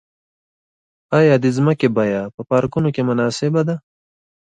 آیا د ځمکې بیه په پارکونو کې مناسبه ده؟